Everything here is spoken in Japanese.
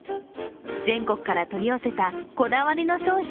全国から取り寄せたこだわりの商品